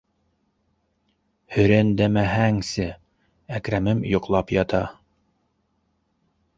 Һөрәндәмәһәңсе, Әкрәмем йоҡлап ята!